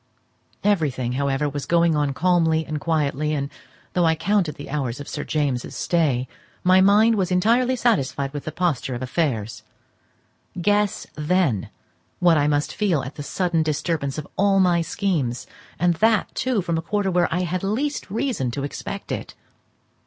Everything, however, was going on calmly and quietly; and, though I counted the hours of Sir James's stay, my mind was entirely satisfied with the posture of affairs. Guess, then, what I must feel at the sudden disturbance of all my schemes; and that, too, from a quarter where I had least reason to expect it.